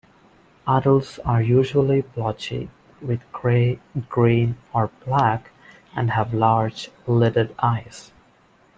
Adults are usually blotchy with grey, green, or black, and have large, lidded eyes.